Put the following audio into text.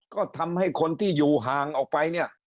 ก็ทำให้คนที่อยู่ห่างออกไปเนี่ย